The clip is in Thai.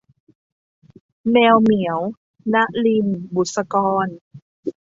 แมวเหมียว - นลิน บุษกร